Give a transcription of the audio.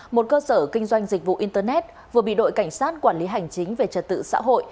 một cơ sở kinh doanh dịch vụ internet vừa bị đội cảnh sát quản lý hành chính về trật tự xã hội